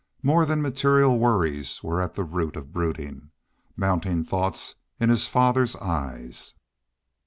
More than material worries were at the root of brooding, mounting thoughts in his father's eyes.